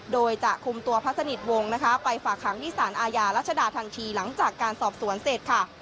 โดยจะคุมตัวพระสนิทวงศ์นะคะไปฝากหางที่สารอาญารัชดาทันทีหลังจากการสอบสวนเสร็จค่ะ